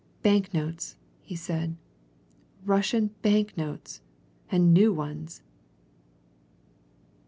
"Bank notes!" he said. "Russian bank notes! And new ones!"